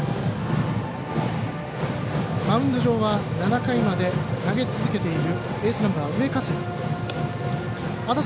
マウンド上は、７回まで投げ続けているエースナンバー上加世田。